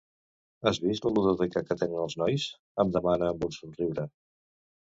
Has vist la ludoteca que tenen els nois? —em demana amb un somriure.